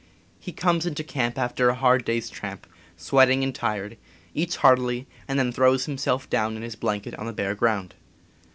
He comes into camp after a hard day's tramp, sweating and tired, eats heartily, and then throws himself down in his blanket on the bare ground.